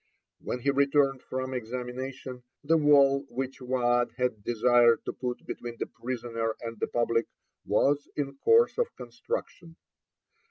When he returned from examination, the wall which Waad had desired to put between the prisoner and the public was in course of construction.